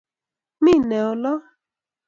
Mi ne olo?